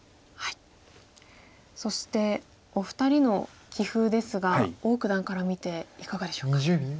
そしてお二人の棋風ですが王九段から見ていかがでしょうか？